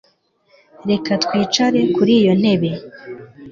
Reka twicare kuri iyo ntebe